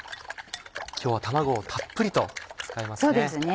今日は卵をたっぷりと使いますね。